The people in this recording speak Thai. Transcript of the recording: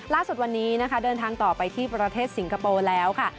ล่าสุดวันนี้นะคะเดินทางต่อไปที่ประเทศสิงคโปร์แล้วค่ะ